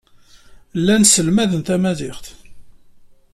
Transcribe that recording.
Llan sselmaden tamaziɣt.